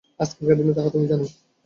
আজকালকার দিনে তাহা তুমি জান।